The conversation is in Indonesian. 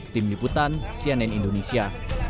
tim liputan cnn indonesia